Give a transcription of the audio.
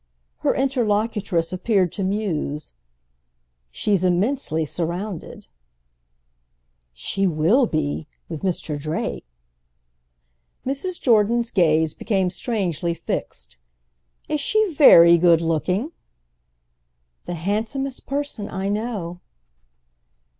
Her interlocutress appeared to muse. "She's immensely surrounded." "She will be—with Mr. Drake!" Mrs. Jordan's gaze became strangely fixed. "Is she very good looking?" "The handsomest person I know."